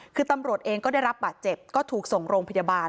คือตำรวจเองก็ได้รับบาดเจ็บก็ถูกส่งโรงพยาบาล